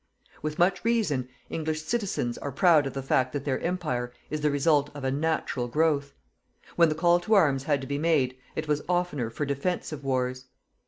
With much reason, English citizens are proud of the fact that their Empire is the result of a NATURAL GROWTH. When the call to arms had to be made, it was oftener for DEFENSIVE WARS.